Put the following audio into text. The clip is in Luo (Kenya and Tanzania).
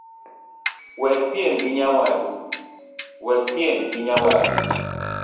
Wekpiem gi nyawadu